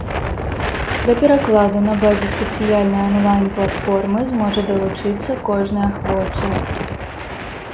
Да перакладу на базе спецыяльнай анлайн-платформы зможа далучыцца кожны ахвочы.